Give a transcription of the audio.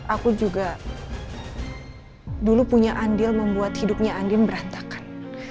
aku juga dulu punya andil membuat hidupnya andil berantakan